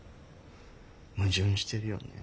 矛盾してるよね。